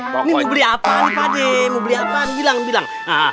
mau beli apa nih pakde mau beli apa nih bilang bilang